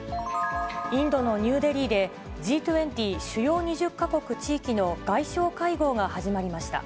インドのニューデリーで、Ｇ２０・主要２０か国・地域の外相会合が始まりました。